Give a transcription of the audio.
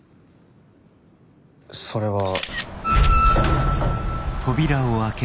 それは。